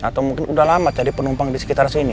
atau mungkin sudah lama jadi penumpang di sekitar sini